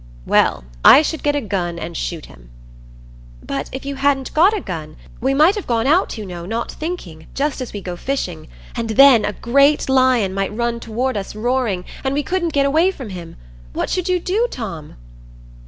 "Well, I should get a gun and shoot him." "But if you hadn't got a gun,—we might have gone out, you know, not thinking, just as we go fishing; and then a great lion might run towards us roaring, and we couldn't get away from him. What should you do, Tom?"